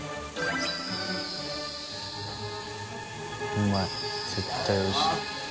うまい絶対おいしい。